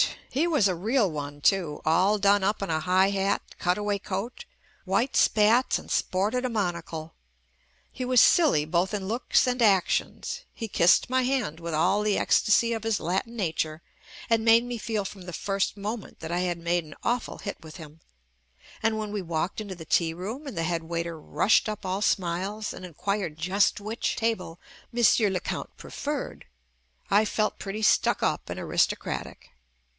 He was a real one, too, all done up in a high hat, cutaway coat, white spats and sported a monocle. He was "silly" both in looks and actions. He kissed my hand with all the ecstasy of his Latin nature and made me feel from the first moment that I had made an awful hit with him, and when we walked into the tearoom and the headwaiter rushed up all smiles and inquired just which table Monsieur Le Count preferred, I felt pretty stuck up and aristocratic.